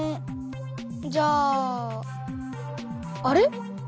じゃああれ？